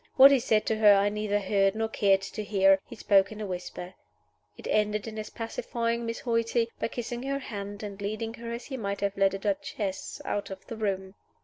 What he said to her I neither heard nor cared to hear: he spoke in a whisper. It ended in his pacifying Miss Hoighty, by kissing her hand, and leading her (as he might have led a duchess) out of the room.